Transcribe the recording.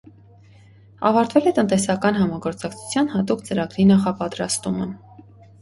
Ավարտվել է տնտեսական համագործակցության հատուկ ծրագրի նախապատրաստումը։